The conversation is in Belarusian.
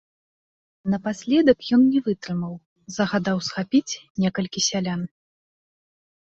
Напаследак ён не вытрымаў, загадаў схапіць некалькі сялян.